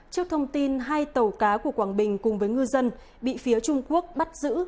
trước thông tin hai tàu cá của quảng bình cùng với ngư dân bị phía trung quốc bắt giữ